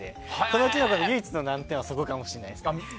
このキノコの唯一の難点はそこかもしれないです。